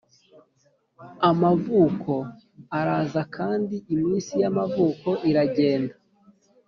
amavuko araza kandi iminsi y'amavuko iragenda,